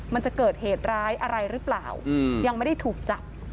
มันจะเกิดเหตุร้ายอะไรหรือเปล่ายังไม่ได้ถูกจับ